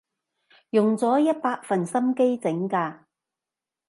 用咗一百分心機整㗎